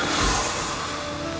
masa kemana sih